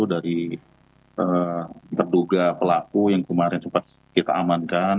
dari berduga pelaku yang kemarin kita amankan